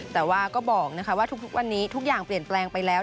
แต่ว่าก็บอกว่าทุกวันนี้ทุกอย่างเปลี่ยนแปลงไปแล้ว